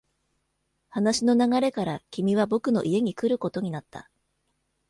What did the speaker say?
話の流れから、君は僕の家に来ることになった。